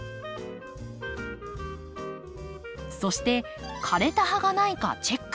そして枯れた葉がないかチェック。